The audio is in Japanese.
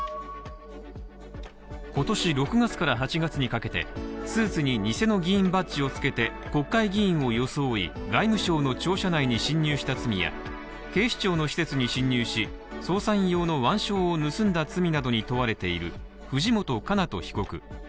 今年６月から８月にかけてスーツに偽の議員バッジをつけて国会議員を装い、外務省の庁舎内に侵入した罪や警視庁の施設に侵入し捜査員用の腕章を盗んだ罪に問われている藤本叶人被告。